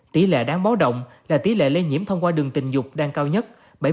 tỷ lệ đáng báo động là tỷ lệ lây nhiễm thông qua đường tình dục đang cao nhất bảy mươi